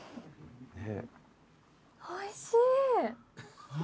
おいしい！